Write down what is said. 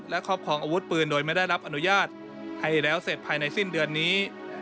และครอบครองอาวุธปืนโดยไม่ได้รับอนุญาตให้แล้วเสร็จภายในสิ้นเดือนนี้